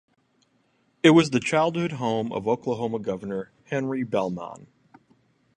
It was the childhood home of Oklahoma governor Henry Bellmon.